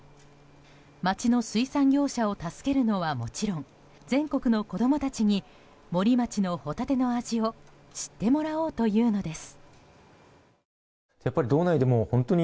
町の水産業者を助けるのはもちろん全国の子供たちに森町のホタテの味を知ってもらおうというのです。